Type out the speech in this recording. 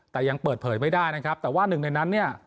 แต่ยังเปิดเผยไม่ได้นะครับแต่ว่าหนึ่งในนั้นเนี่ย